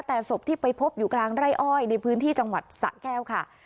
แต่ศพที่ไปพบอยู่กลางไร่อ้อยในพื้นที่จังหวัดสะแก้วค่ะ